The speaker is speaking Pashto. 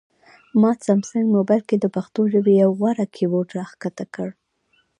ما سامسنګ مبایل کې د پښتو ژبې یو غوره کیبورډ راښکته کړ